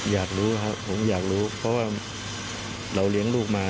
อยากรู้ครับผมอยากรู้เพราะว่าเราเลี้ยงลูกมา